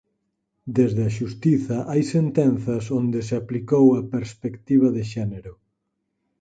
Desde a Xustiza hai sentenzas onde se aplicou a perspectiva de xénero.